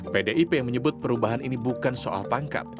pdip menyebut perubahan ini bukan soal pangkat